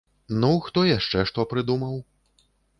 Ну, хто яшчэ што прыдумаў?